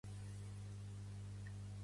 Pertany al moviment independentista l'Abril?